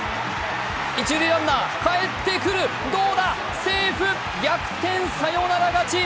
一塁ランナー、帰ってくる、どうだセーフ！逆転サヨナラ勝ち！